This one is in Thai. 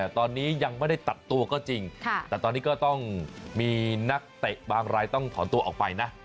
ตอนนี้ยังไม่ได้ตัดตัวก็จริงแต่ตอนนี้ก็ต้องมีนักเตะบางรายต้องถอนตัวออกไปนะ